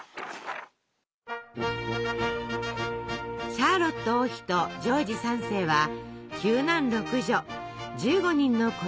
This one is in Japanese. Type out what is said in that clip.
シャーロット王妃とジョージ３世は９男６女１５人の子どもをもうけました。